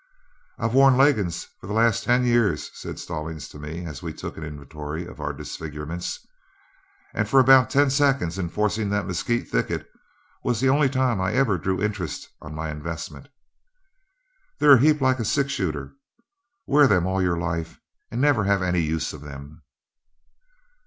"I've worn leggins for the last ten years," said Stallings to me, as we took an inventory of our disfigurements, "and for about ten seconds in forcing that mesquite thicket was the only time I ever drew interest on my investment. They're a heap like a six shooter wear them all your life and never have any use for them."